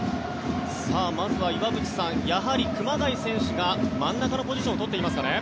まずは岩渕さんやはり熊谷選手が真ん中のポジションを取っていますかね。